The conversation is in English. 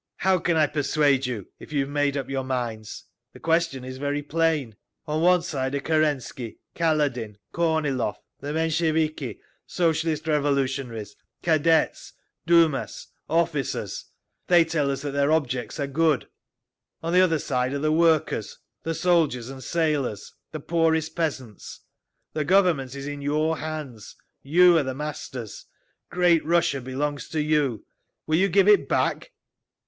"How can I persuade you, if you have made up your minds? The question is very plain. On one side are Kerensky, Kaledin, Kornilov, the Mensheviki, Socialist Revolutionaries, Cadets, Dumas, officers…. They tell us that their objects are good. On the other side are the workers, the soldiers and sailors, the poorest peasants. The Government is in your hands. You are the masters. Great Russia belongs to you. Will you give it back?"